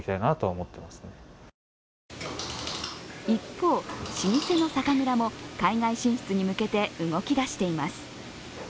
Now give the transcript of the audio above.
一方、老舗の酒蔵も海外進出に向けて動き出しています。